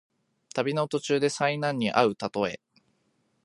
旅の途中で災難にあうたとえ。